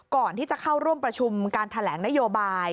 ก่อนที่จะเข้าร่วมประชุมการแถลงนโยบาย